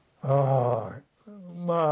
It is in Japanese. ああ